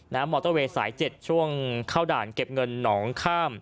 มอเตอร์เวย์สาย๗ช่วงเข้าด่านเก็บเงินหนองข้าม